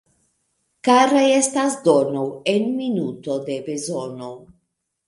Kara estas dono en minuto de bezono.